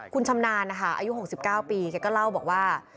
คุณชำนานอายุ๖๙ปีเขาก็เล่าบอกว่า